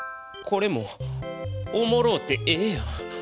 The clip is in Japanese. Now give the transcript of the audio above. これもおもろうてええやん。